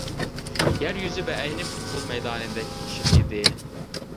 يەر يۈزى بەئەينى پۇتبول مەيدانىدەك يېشىل ئىدى.